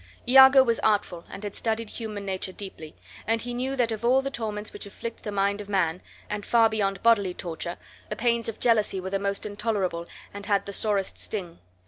Iago was artful, and had studied human nature deeply, and he knew that of all the torments which afflict the mind of man (and far beyond bodily torture) the pains of jealousy were the most intolerable and had the sorest sting.